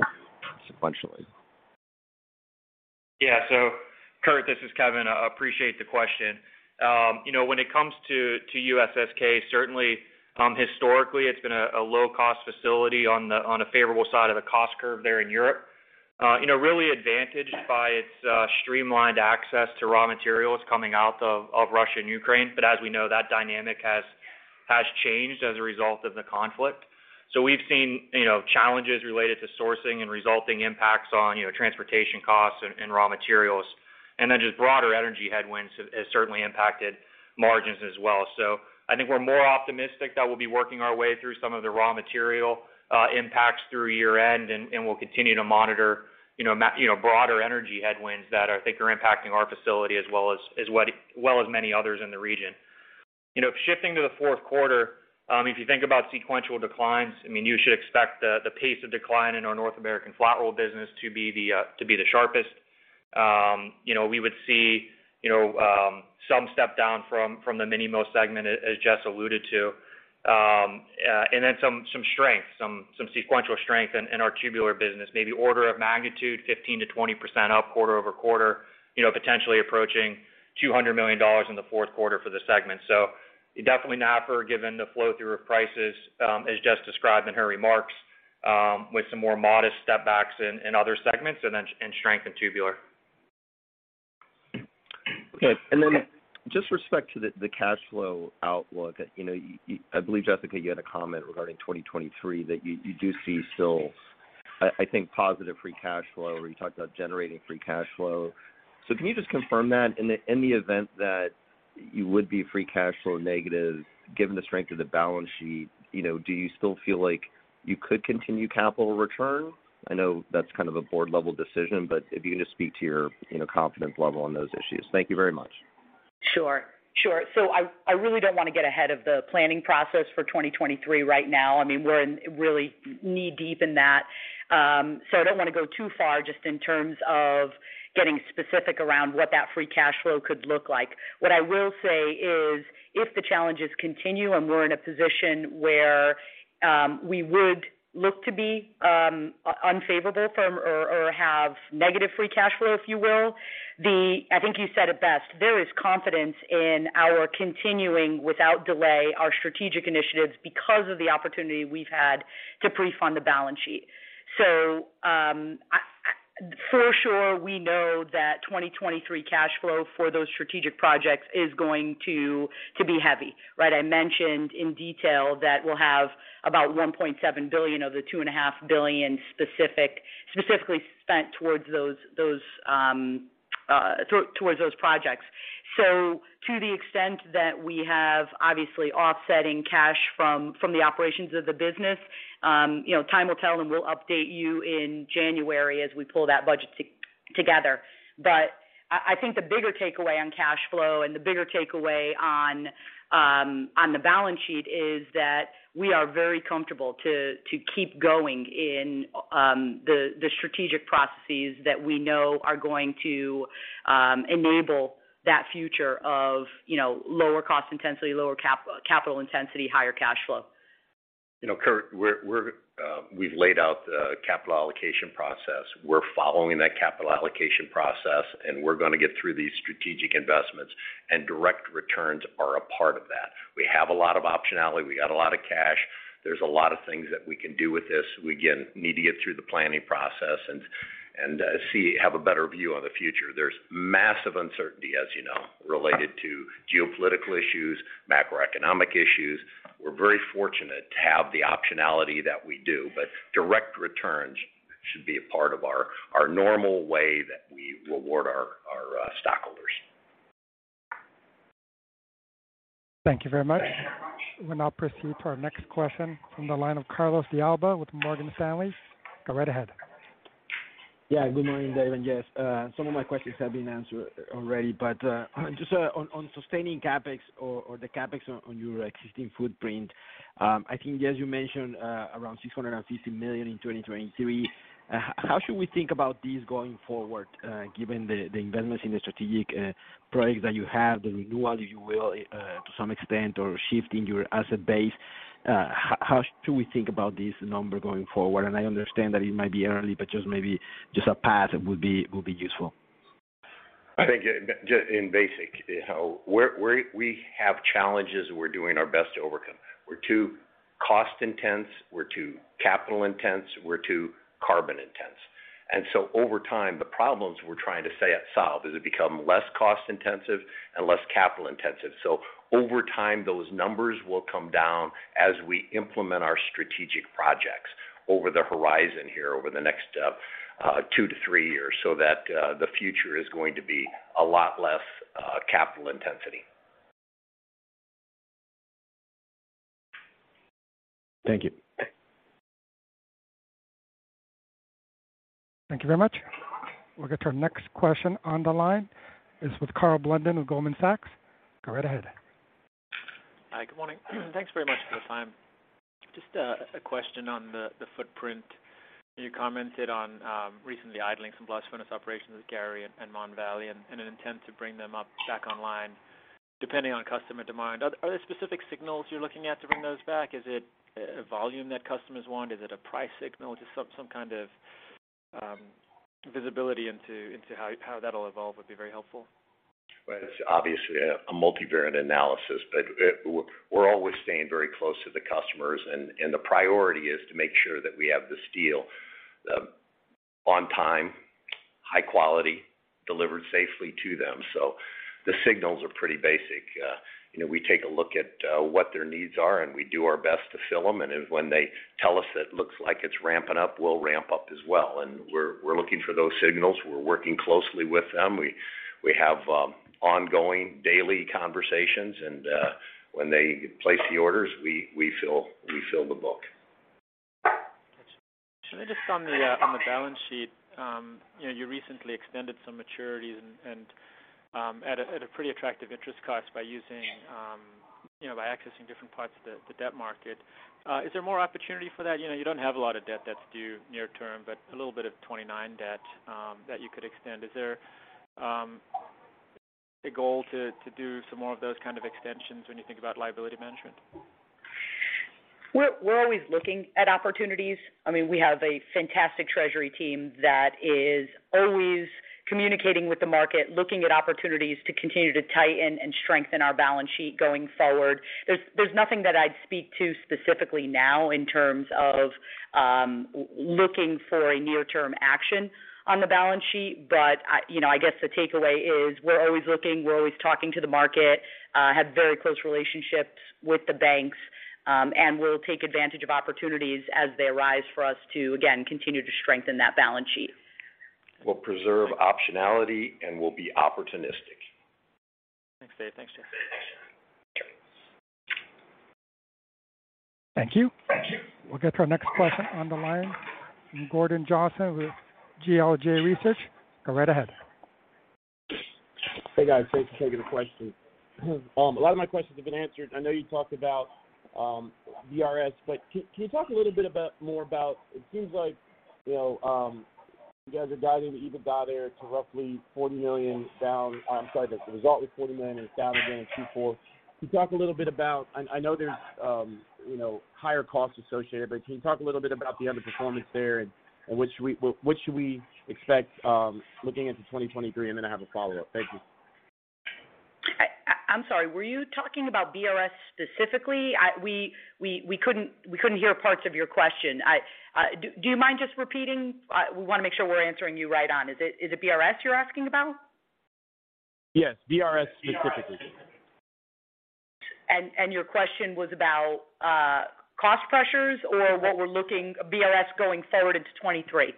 sequentially? Yeah. Kurt, this is Kevin. I appreciate the question. You know, when it comes to USSK, certainly, historically, it's been a low-cost facility on a favorable side of the cost curve there in Europe. You know, really advantaged by its streamlined access to raw materials coming out of Russia and Ukraine. But as we know, that dynamic has changed as a result of the conflict. We've seen, you know, challenges related to sourcing and resulting impacts on, you know, transportation costs and raw materials. Just broader energy headwinds have certainly impacted margins as well. I think we're more optimistic that we'll be working our way through some of the raw material impacts through year-end, and we'll continue to monitor, you know, broader energy headwinds that I think are impacting our facility as well as many others in the region. You know, shifting to the fourth quarter, if you think about sequential declines, I mean, you should expect the pace of decline in our North American flat-rolled business to be the sharpest. You know, we would see some step down from the mini mill segment as Jess alluded to. Some strength, some sequential strength in our tubular business, maybe order of magnitude 15%-20% up quarter-over-quarter, you know, potentially approaching $200 million in the fourth quarter for the segment. Definitely NAFR, given the flow-through of prices, as Jess described in her remarks, with some more modest step backs in other segments and strength in tubular. Okay. With respect to the cash flow outlook, you know, you—I believe, Jessica, you had a comment regarding 2023, that you do see still, I think, positive free cash flow, or you talked about generating free cash flow. Can you just confirm that in the event that you would be free cash flow negative, given the strength of the balance sheet, you know, do you still feel like you could continue capital return? I know that's kind of a board-level decision, but if you could just speak to your, you know, confidence level on those issues. Thank you very much. Sure. Sure. I really don't wanna get ahead of the planning process for 2023 right now. I mean, we're really knee-deep in that. I don't wanna go too far just in terms of getting specific around what that free cash flow could look like. What I will say is, if the challenges continue, and we're in a position where we would look to be unfavorable from or have negative free cash flow, if you will, I think you said it best, there is confidence in our continuing without delay our strategic initiatives because of the opportunity we've had to pre-fund the balance sheet. For sure we know that 2023 cash flow for those strategic projects is going to be heavy, right? I mentioned in detail that we'll have about $1.7 billion of the $2.5 billion specifically spent towards those projects. To the extent that we have obviously offsetting cash from the operations of the business, you know, time will tell, and we'll update you in January as we pull that budget together. I think the bigger takeaway on cash flow and the bigger takeaway on the balance sheet is that we are very comfortable to keep going in the strategic processes that we know are going to enable that future of, you know, lower cost intensity, lower capital intensity, higher cash flow. You know, Curt, we've laid out the capital allocation process. We're following that capital allocation process, and we're gonna get through these strategic investments, and direct returns are a part of that. We have a lot of optionality. We got a lot of cash. There's a lot of things that we can do with this. We, again, need to get through the planning process and have a better view on the future. There's massive uncertainty, as you know, related to geopolitical issues, macroeconomic issues. We're very fortunate to have the optionality that we do, but direct returns should be a part of our stockholders. Thank you very much. We'll now proceed to our next question from the line of Carlos de Alba with Morgan Stanley. Go right ahead. Yeah, good morning, Dave and Jess. Some of my questions have been answered already, but just on sustaining CapEx or the CapEx on your existing footprint, I think, Jess, you mentioned around $650 million in 2023. How should we think about this going forward, given the investments in the strategic projects that you have, the renewal, if you will, to some extent, or shift in your asset base, how should we think about this number going forward? I understand that it might be early, but just maybe a path would be useful. I think in basic, you know, we have challenges we're doing our best to overcome. We're two- Cost intensive. We're too capital intensive. We're too carbon intensive. Over time, the problems we're trying to solve, it becomes less cost intensive and less capital intensive. Over time, those numbers will come down as we implement our strategic projects on the horizon here over the next two-three years, so that the future is going to be a lot less capital intensity. Thank you. Thank you very much. We'll get to our next question on the line. It's with Karl Blunden with Goldman Sachs. Go right ahead. Hi. Good morning. Thanks very much for the time. Just a question on the footprint. You commented on recently idling some blast furnace operations at Gary and Mon Valley and an intent to bring them up back online depending on customer demand. Are there specific signals you're looking at to bring those back? Is it a volume that customers want? Is it a price signal? Just some kind of visibility into how that'll evolve would be very helpful. Well, it's obviously a multivariate analysis, but we're always staying very close to the customers and the priority is to make sure that we have the steel on time, high quality, delivered safely to them. The signals are pretty basic. You know, we take a look at what their needs are, and we do our best to fill them. If when they tell us it looks like it's ramping up, we'll ramp up as well. We're looking for those signals. We're working closely with them. We have ongoing daily conversations and when they place the orders, we fill the book. Should I just on the balance sheet, you know, you recently extended some maturities and at a pretty attractive interest cost by using, you know, by accessing different parts of the debt market. Is there more opportunity for that? You know, you don't have a lot of debt that's due near term, but a little bit of 2029 debt that you could extend. Is there a goal to do some more of those kind of extensions when you think about liability management? We're always looking at opportunities. I mean, we have a fantastic treasury team that is always communicating with the market, looking at opportunities to continue to tighten and strengthen our balance sheet going forward. There's nothing that I'd speak to specifically now in terms of looking for a near-term action on the balance sheet. I guess the takeaway is we're always looking, we're always talking to the market, have very close relationships with the banks, and we'll take advantage of opportunities as they arise for us to again, continue to strengthen that balance sheet. We'll preserve optionality, and we'll be opportunistic. Thanks, Dave. Thanks, Jess. Thank you. We'll get to our next question on the line from Gordon Johnson with GLJ Research. Go right ahead. Hey, guys. Thanks for taking the question. A lot of my questions have been answered. I know you talked about BRS, but can you talk a little bit more about it seems like you guys are guiding the EBITDA there to roughly $40 million down. I'm sorry, the result was $40 million. It was down again in Q4. Can you talk a little bit about I know there's higher costs associated, but can you talk a little bit about the underperformance there and what should we expect looking into 2023, and then I have a follow-up. Thank you. I'm sorry. Were you talking about BRS specifically? We couldn't hear parts of your question. Do you mind just repeating? We want to make sure we're answering you right on. Is it BRS you're asking about? Yes, BRS specifically. Your question was about cost pressures or what we're looking BRS going forward into 2023?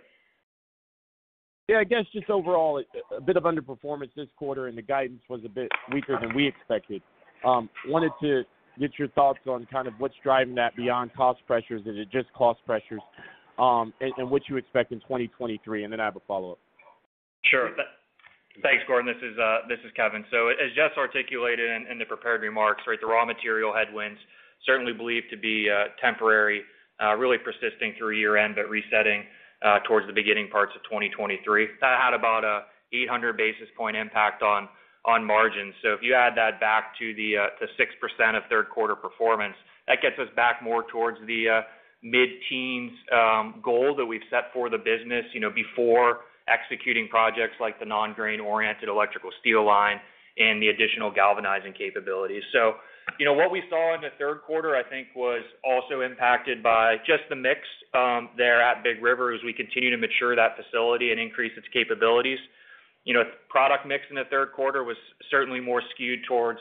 Yeah, I guess just overall a bit of underperformance this quarter and the guidance was a bit weaker than we expected. Wanted to get your thoughts on kind of what's driving that beyond cost pressures. Is it just cost pressures? What you expect in 2023, and then I have a follow-up. Sure. Thanks, Gordon. This is Kevin. As Jess articulated in the prepared remarks, right, the raw material headwinds certainly believed to be temporary, really persisting through year-end, but resetting towards the beginning parts of 2023. That had about an 800 bps impact on margins. If you add that back to the 6% of third quarter performance, that gets us back more towards the mid-teens goal that we've set for the business, you know, before executing projects like the non-grain-oriented electrical steel line and the additional galvanizing capabilities. You know, what we saw in the third quarter, I think, was also impacted by just the mix there at Big River as we continue to mature that facility and increase its capabilities. You know, product mix in the third quarter was certainly more skewed towards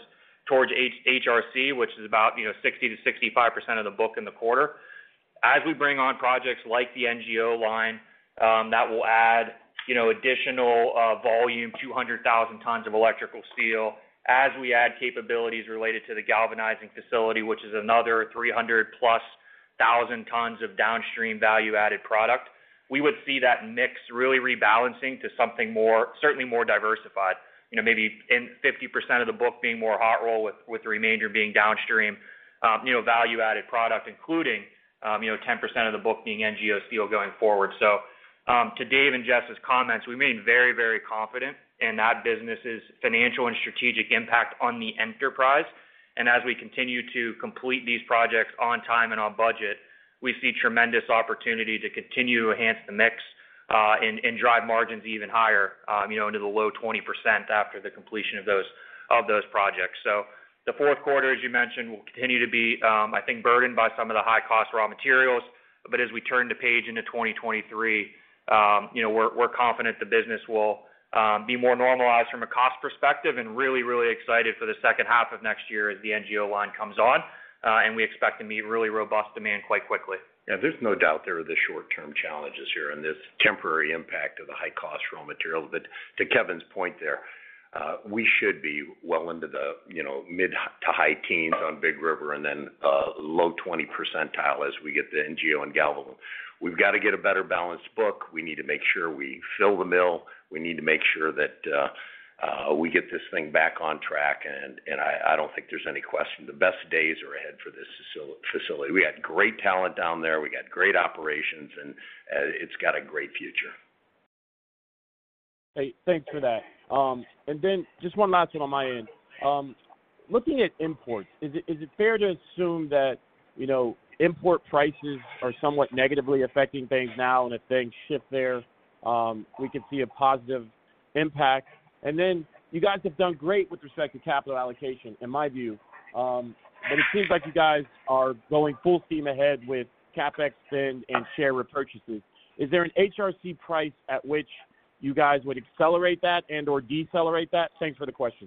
HRC, which is about, you know, 60%-65% of the book in the quarter. As we bring on projects like the NGO line, that will add, you know, additional volume, 200,000 tons of electrical steel. As we add capabilities related to the galvanizing facility, which is another 300,000+ tons of downstream value-added product. We would see that mix really rebalancing to something more, certainly more diversified. You know, maybe 50% of the book being more hot roll with the remainder being downstream, you know, value-added product, including, you know, 10% of the book being NGO steel going forward. To Dave and Jess's comments, we remain very, very confident in that business's financial and strategic impact on the enterprise. As we continue to complete these projects on time and on budget, we see tremendous opportunity to continue to enhance the mix and drive margins even higher, you know, into the low 20% after the completion of those projects. The fourth quarter, as you mentioned, will continue to be, I think, burdened by some of the high-cost raw materials. As we turn the page into 2023, you know, we're confident the business will be more normalized from a cost perspective and really excited for the second half of next year as the NGO line comes on. We expect to meet really robust demand quite quickly. Yeah. There's no doubt there are the short-term challenges here and this temporary impact of the high-cost raw materials. To Kevin's point there, we should be well into the, you know, mid- to high-teens percentage on Big River and then low 20 % as we get the NGO and Galvalume. We've got to get a better-balanced book. We need to make sure we fill the mill. We need to make sure that we get this thing back on track. I don't think there's any question the best days are ahead for this facility. We got great talent down there. We got great operations, and it's got a great future. Hey, thanks for that. Just one last one on my end. Looking at imports, is it fair to assume that, you know, import prices are somewhat negatively affecting things now, and if things shift there, we could see a positive impact? You guys have done great with respect to capital allocation, in my view. It seems like you guys are going full steam ahead with CapEx spend and share repurchases. Is there an HRC price at which you guys would accelerate that and/or decelerate that? Thanks for the question.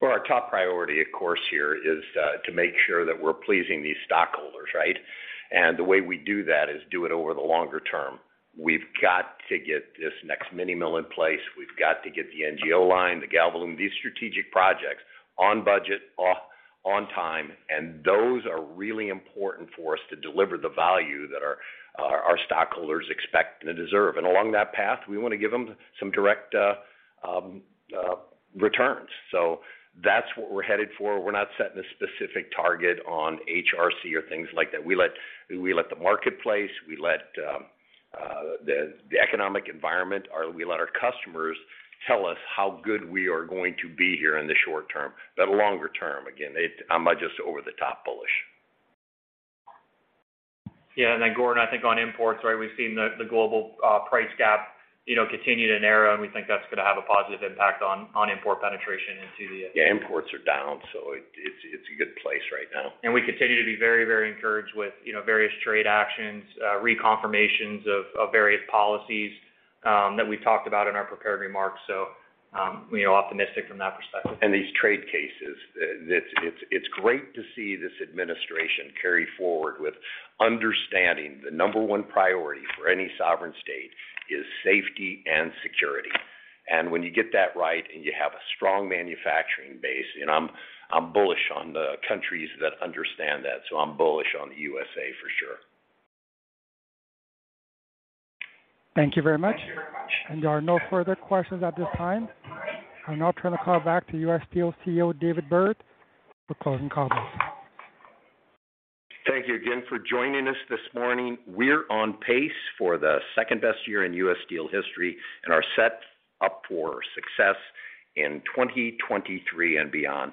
Well, our top priority, of course, here is to make sure that we're pleasing these stockholders, right? The way we do that is do it over the longer term. We've got to get this next mini mill in place. We've got to get the NGO line, the Galvalume, these strategic projects on budget, on time, and those are really important for us to deliver the value that our stockholders expect and deserve. Along that path, we wanna give them some direct returns. That's what we're headed for. We're not setting a specific target on HRC or things like that. We let the marketplace, we let the economic environment, or we let our customers tell us how good we are going to be here in the short term. Longer term, again, I'm just over-the-top bullish. Yeah. Gordon, I think on imports, right, we've seen the global price gap, you know, continue to narrow, and we think that's gonna have a positive impact on import penetration into the- Yeah. Imports are down, so it's a good place right now. We continue to be very, very encouraged with, you know, various trade actions, reconfirmations of various policies, that we talked about in our prepared remarks. We are optimistic from that perspective. These trade cases. It's great to see this administration carry forward with understanding the number one priority for any sovereign state is safety and security. When you get that right and you have a strong manufacturing base, you know, I'm bullish on the countries that understand that. I'm bullish on the USA for sure. Thank you very much. There are no further questions at this time. I'll now turn the call back to U.S. Steel CEO, David B. Burritt for closing comments. Thank you again for joining us this morning. We're on pace for the second-best year in U.S. Steel history and are set up for success in 2023 and beyond.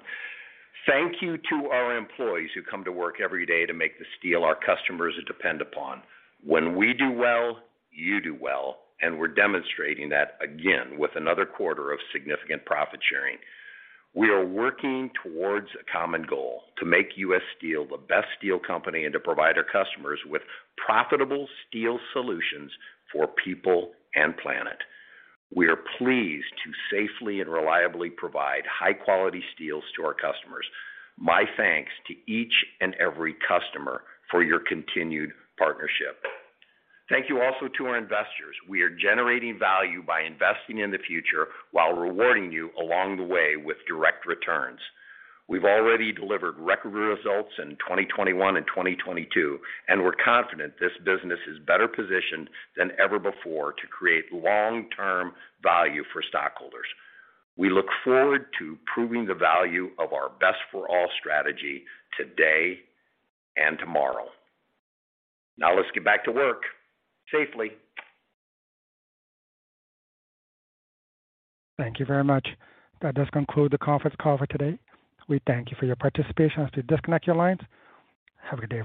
Thank you to our employees who come to work every day to make the steel our customers depend upon. When we do well, you do well, and we're demonstrating that again with another quarter of significant profit-sharing. We are working towards a common goal to make U.S. Steel the best steel company and to provide our customers with profitable steel solutions for people and planet. We are pleased to safely and reliably provide high-quality steels to our customers. My thanks to each and every customer for your continued partnership. Thank you also to our investors. We are generating value by investing in the future while rewarding you along the way with direct returns. We've already delivered record results in 2021 and 2022, and we're confident this business is better positioned than ever before to create long-term value for stockholders. We look forward to proving the value of our Best for All strategy today and tomorrow. Now let's get back to work safely. Thank you very much. That does conclude the conference call for today. We thank you for your participation. As we disconnect your lines, have a good day, everyone.